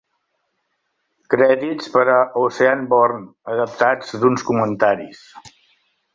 Crèdits per a "Oceanborn" adaptats d"uns comentaris.